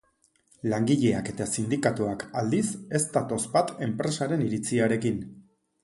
Langileak eta sindikatuak, aldiz, ez datoz bat enpresaren iritziarekin.